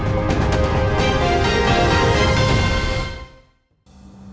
trong đối lập